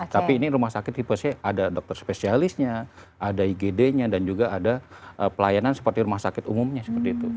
tapi ini rumah sakit tipe c ada dokter spesialisnya ada igd nya dan juga ada pelayanan seperti rumah sakit umumnya seperti itu